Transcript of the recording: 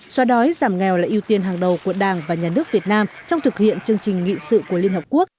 xóa đói giảm nghèo là ưu tiên hàng đầu của đảng và nhà nước việt nam trong thực hiện chương trình nghị sự của liên hợp quốc